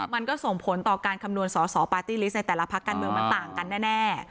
มันก็ส่งผลต่อการคำนวณสอสอปาร์ตี้ลิสต์ในแต่ละพักการเมืองมันต่างกันแน่